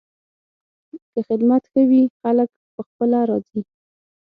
که خدمت ښه وي، خلک پخپله راځي.